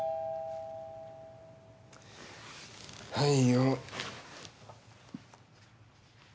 はいよ。